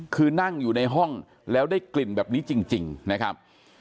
คือนั่งอยู่ในห้องแล้วได้กลิ่นแบบนี้จริงนะครับ